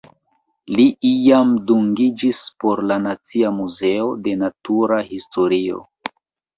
Li iam dungiĝis por la Nacia Muzeo de Natura Historio.